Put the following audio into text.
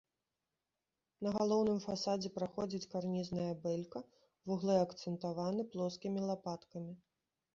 На галоўным фасадзе праходзіць карнізная бэлька, вуглы акцэнтаваны плоскімі лапаткамі.